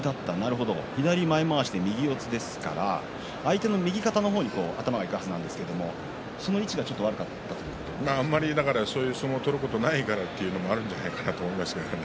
左前まわしで右四つですから相手の右肩の方に頭がいくはずなんですがその位置が悪かったということあんまりそういう相撲を取ることがないからということもあるんじゃないですかね。